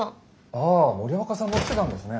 ああ森若さんも来てたんですね。